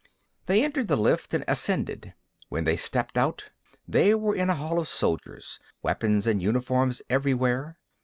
They entered the lift and ascended. When they stepped out, they were in a hall of soldiers, weapons and uniforms everywhere.